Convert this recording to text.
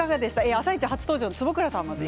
「あさイチ」初登場の坪倉さん。